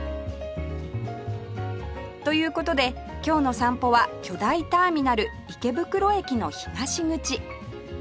という事で今日の散歩は巨大ターミナル池袋駅の東口